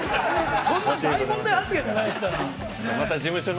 ◆そんな問題発言じゃないですから。